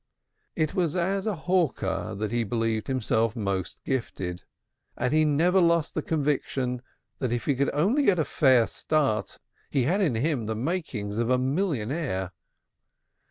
It was as a hawker that he believed himself most gifted, and he never lost the conviction that if he could only get a fair start, he had in him the makings of a millionaire.